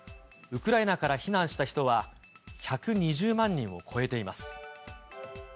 ウクライナから避難した人は１２０万人を超えています。